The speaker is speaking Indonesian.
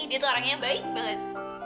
dia tuh orangnya baik banget